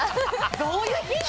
どういうヒント？